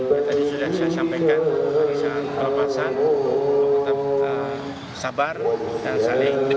yang tadi sudah saya sampaikan perlapasan tetap sabar dan saling